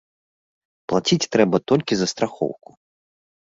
Плаціць трэба толькі за страхоўку.